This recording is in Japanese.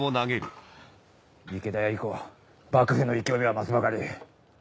池田屋以降幕府の勢いは増すばかり。